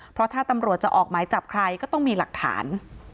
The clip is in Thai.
เพราะถ้าตำรวจจะออกหมายจับใครก็ต้องมีหลักฐาน